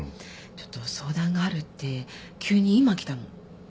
ちょっと相談があるって急に今来たの。